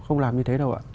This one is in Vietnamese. không làm như thế đâu ạ